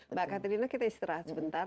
mbak katerino kita istirahat sebentar